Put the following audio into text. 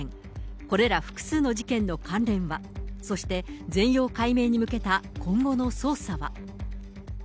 これら複数の事件の関連は、そして全容解明に向けた今後の捜査は。